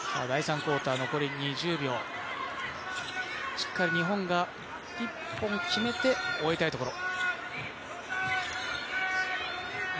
しっかり日本が１本決めて終えたいところ。